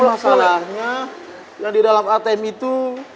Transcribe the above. masalahnya yang di dalam atm itu